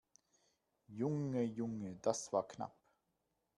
Junge, Junge, das war knapp!